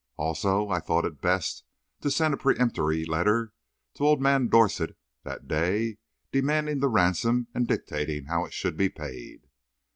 Also, I thought it best to send a peremptory letter to old man Dorset that day, demanding the ransom and dictating how it should be paid.